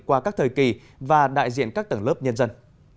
qua các thời kỳ và đại diện các tầng lớp nhân dân